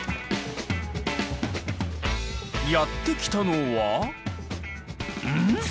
やって来たのはん？